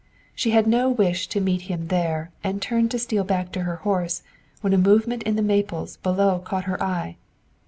She had no wish to meet him there and turned to steal back to her horse when a movement in the maples below caught her eye.